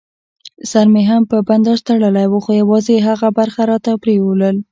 سر مې هم په بنداژ تړلی و، خو یوازې یې هغه برخه راته پرېولل.